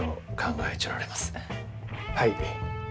はい。